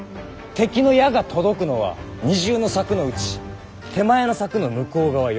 敵の矢が届くのは二重の柵のうち手前の柵の向こう側。